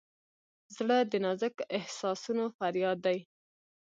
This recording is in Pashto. زړه د نازک احساسونو فریاد دی.